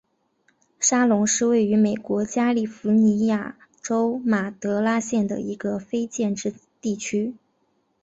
沙龙是位于美国加利福尼亚州马德拉县的一个非建制地区。